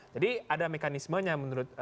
jadi ada mekanismenya menurut saya